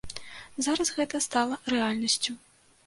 Зараз гэта стала рэальнасцю.